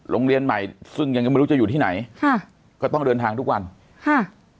โรงเรียนใหม่ซึ่งยังก็ไม่รู้จะอยู่ที่ไหนค่ะก็ต้องเดินทางทุกวันค่ะ